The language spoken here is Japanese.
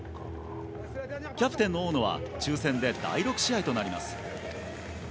キャプテンの大野は抽選で第６試合となります。